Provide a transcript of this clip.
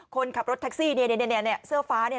คนขับรถแท็กซี่เสื้อฟ้า